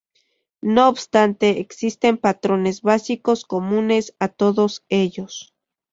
No obstante, existen patrones básicos comunes a todos ellos.